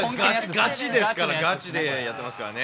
ガチですから、ガチでやってますからね。